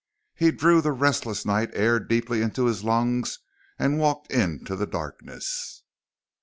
He drew the restless night air deeply into his lungs and walked into the darkness.